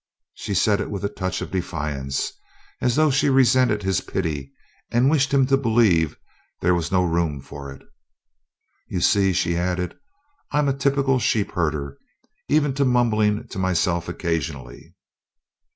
She said it with a touch of defiance, as though she resented his pity and wished him to believe there was no room for it. "You see," she added, "I'm a typical sheepherder, even to mumbling to myself occasionally."